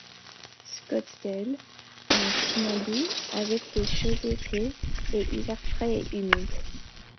Scottsdale a un climat doux avec de chauds étés, des hivers frais et humides.